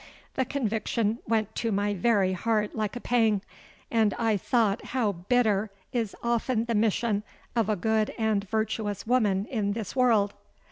The conviction went to my very heart like a pang; and I thought how bitter is often the mission of a good and virtuous woman in this world!